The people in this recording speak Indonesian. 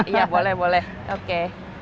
iya boleh boleh oke